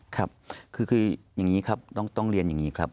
ครับคืออย่างนี้ครับต้องเรียนอย่างนี้ครับ